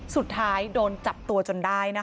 สุดท้ายโดนจับตัวจนได้นะคะ